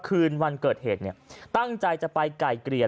คืนวันเกิดเหตุเนี่ยตั้งใจจะไปไก่เกลี่ย